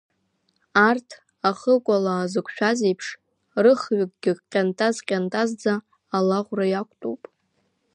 Арҭ, ахыкәалаа зықәшәаз реиԥш, рыхҩыкгьы ҟьантаз-ҟьантазӡа алаӷәра иқәтәоуп.